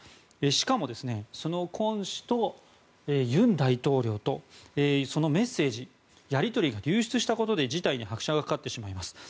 しかも、クォン氏と尹大統領とのそのメッセージ、やり取りが流出したことで事態に拍車がかかってしまいます。